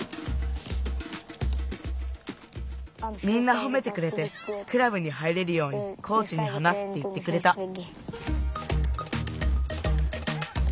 みんなほめてくれて「クラブに入れるようにコーチにはなす」っていってくれた。